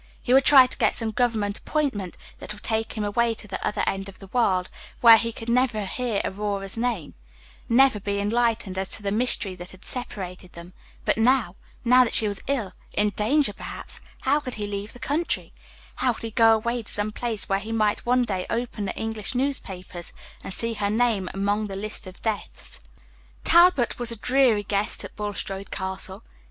He would try to get some government appointment that would take him away to the other end of the world, where he could never hear Aurora's name never be enlightened as to the mystery that had separated them. But now, now that she was ill in danger, perhaps how could he leave the country? How could he go away to some place where he might one day open the English newspapers and see her name among the list of deaths? Talbot was a dreary guest at Bulstrode Castle.